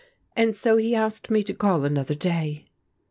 And so he asked me to call another day.